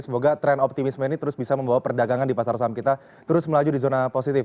semoga tren optimisme ini terus bisa membawa perdagangan di pasar saham kita terus melaju di zona positif